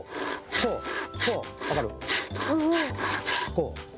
こう。